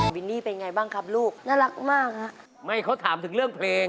วินนี่เป็นไงบ้างครับลูกน่ารักมากฮะไม่เขาถามถึงเรื่องเพลง